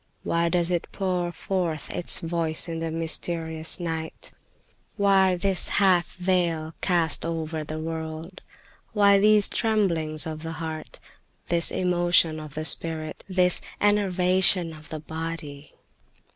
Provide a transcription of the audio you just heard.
Why does it pour forth its voice in the mysterious night? "Why this half veil cast over the world? Why these tremblings of the heart, this emotion of the spirit, this enervation of the body?